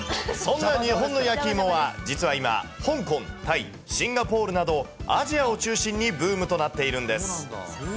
そんな日本の焼きいもは、実は今、香港、タイ、シンガポールなど、アジアを中心にブームとなっているんです。